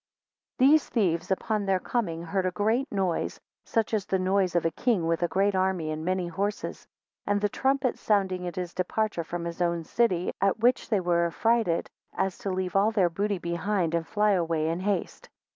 4 These thieves upon their coming heard a great noise such as the noise of a king with a great army, and many horse and the trumpets sounding at his departure from his own city, at which they were so affrighted, as to leave all their booty behind them and fly away in haste.